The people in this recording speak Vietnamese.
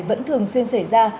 vẫn thường xuyên xảy ra